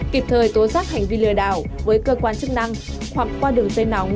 kịp thời tố giác hành vi lừa đảo với cơ quan chức năng hoặc qua đường dây nóng